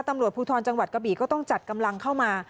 ตำรวจภูทรจังหวัดกะบี่ก็ต้องจัดกำลังเข้ามา